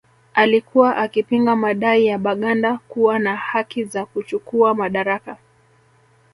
Alikuwa akipinga madai ya Baganda kuwa na haki za kuchukuwa madaraka